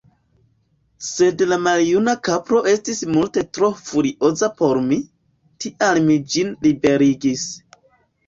Sed la maljuna kapro estis multe tro furioza por mi, tial mi ĝin liberigis.